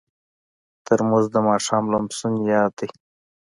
ترموز د ماښام لمسون یاد دی.